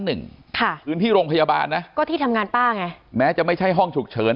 หนึ่งค่ะพื้นที่โรงพยาบาลนะก็ที่ทำงานป้าไงแม้จะไม่ใช่ห้องฉุกเฉิน